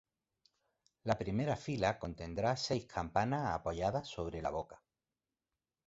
La primera fila contendrá seis campanas apoyadas sobre la boca.